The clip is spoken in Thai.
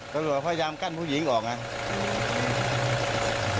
ตำรวจพยายามกั้นผู้หญิงออกไง